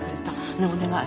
ねえお願い